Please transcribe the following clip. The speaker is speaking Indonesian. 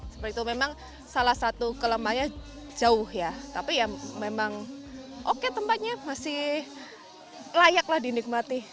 seperti itu memang salah satu kelemahannya jauh ya tapi ya memang oke tempatnya masih layaklah dinikmati